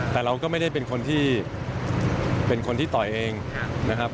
แต่เราก็ไม่ได้เป็นคนที่เป็นคนที่ต่อยเองนะครับ